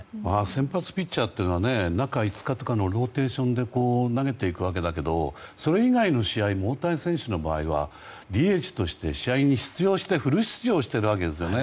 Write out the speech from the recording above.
先発ピッチャーというのは中５日とかのローテーションで投げていくわけだけどそれ以外の試合も大谷選手の場合はＤＨとして出場してフル出場しているわけですよね。